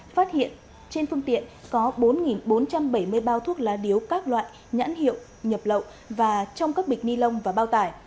phát hiện trên phương tiện có bốn bốn trăm bảy mươi bao thuốc lá điếu các loại nhãn hiệu nhập lậu và trong các bịch ni lông và bao tải